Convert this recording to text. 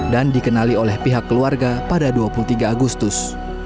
dan dikenali oleh pihak keluarga pada dua puluh tiga agustus